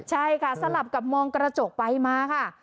ใช่ค่ะสลับกับมองกระจกไปมาค่ะ